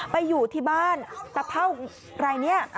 ไปอยู่ที่บ้านตะเภาอะไรนี่